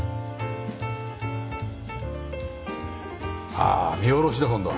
ああ見下ろしだ今度は。